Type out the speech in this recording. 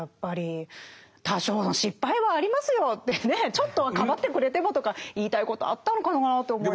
ちょっとはかばってくれてもとか言いたいことあったのかなと思いますけど。